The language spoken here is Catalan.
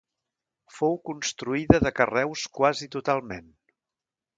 Fou construïda de carreus quasi totalment.